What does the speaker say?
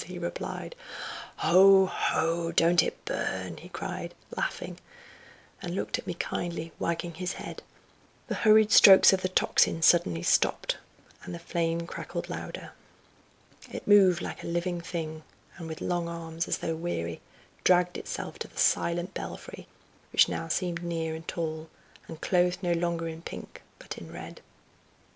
he replied; "ho! ho! don't it burn!" he cried, laughing, and looked at me kindly, wagging his head. The hurried strokes of the tocsin suddenly stopped, and the flame crackled louder. It moved like a living thing, and with long arms, as though weary, dragged itself to the silent belfry, which now seemed near and tall, and clothed no longer in pink but in red.